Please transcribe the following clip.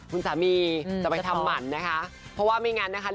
คุณสามีจะไปทำหมั่นนะคะเพราะว่าไม่งั้นนะคะ